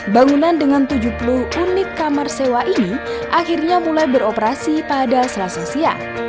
bangunan dengan tujuh puluh unit kamar sewa ini akhirnya mulai beroperasi pada selasa siang